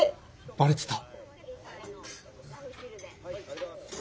バレてた。